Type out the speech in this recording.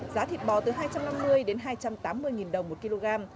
giá thịt bò từ hai trăm năm mươi đến hai trăm tám mươi đồng một kg